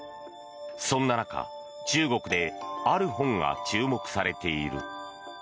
そんな中、中国である本が注目されている。